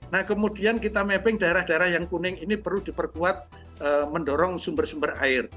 nah kemudian kita mapping daerah daerah yang kuning ini perlu diperkuat mendorong sumber sumber air